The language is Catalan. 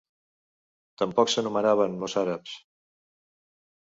Tampoc s'anomenaven "Mozarabs".